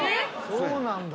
そうなんだ。